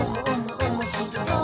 おもしろそう！」